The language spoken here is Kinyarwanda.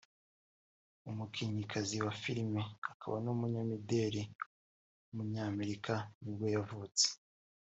umukinnyikazi wa film akaba n’umunyamideli w’umunyamerika nibwo yavutse